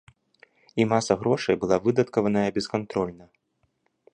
І маса грошай была выдаткаваная бескантрольна.